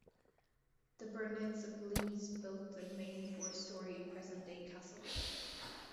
The Burnetts of Leys built the remaining four storey present day castle.